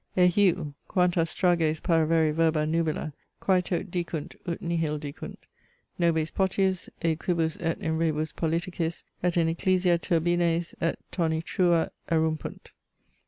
[Eheu! quantas strages paravere verba nubila, quae tot dicunt ut nihil dicunt; nubes potius, e quibus et in rebus politicis et in ecclesia turbines et tonitrua erumpunt!